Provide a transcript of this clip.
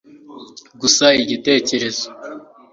gusa igitekerezo cya mama kirashobora koroshya ububabare bwisi